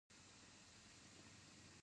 نفت د افغان کورنیو د دودونو مهم عنصر دی.